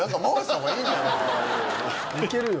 いけるよ。